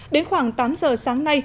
đến khoảng tám giờ sáng nay